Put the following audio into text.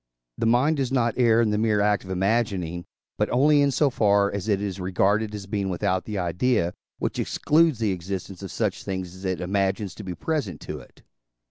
The mind does not err in the mere act of imagining, but only in so far as it is regarded as being without the idea, which excludes the existence of such things as it imagines to be present to it.